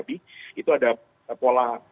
itu ada pola